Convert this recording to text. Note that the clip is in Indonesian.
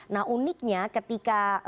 nah uniknya ketika